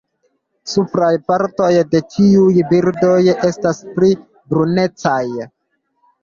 Supraj partoj de tiuj birdoj estas pli brunecaj.